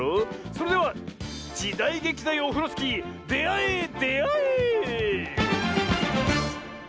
それでは「じだいげきだよオフロスキー」であえであえ！